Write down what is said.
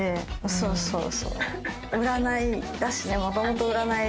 そうそうそう。